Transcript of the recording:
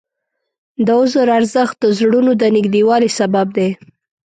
د عذر ارزښت د زړونو د نږدېوالي سبب دی.